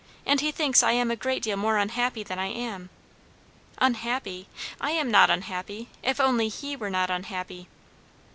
And he thinks I am a great deal more unhappy than I am. Unhappy? I am not unhappy if only he were not unhappy."